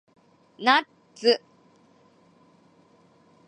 ナッツ